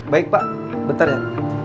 baik pak bentar ya